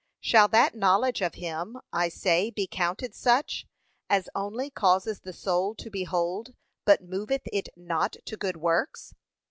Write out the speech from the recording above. shall that knowledge of him, I say, be counted such, as only causes the soul to behold, but moveth it not to good works?